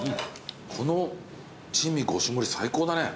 この珍味５種盛最高だね。